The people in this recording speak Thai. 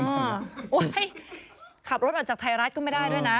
โอ้โหขับรถออกจากไทยรัฐก็ไม่ได้ด้วยนะ